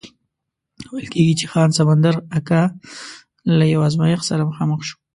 ویل کېږي چې خان سمندر اکا له یو ازمایښت سره مخامخ شو.